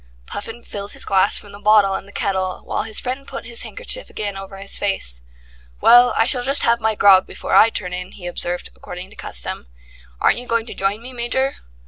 Puffin filled his glass from the bottle and the kettle, while his friend put his handkerchief again over his face. "Well, I shall just have my grog before I turn in," he observed, according to custom. "Aren't you going to join me, Major?"